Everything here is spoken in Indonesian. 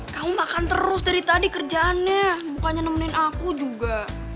kamu makan terus dari tadi kerjaannya bukannya nemenin aku juga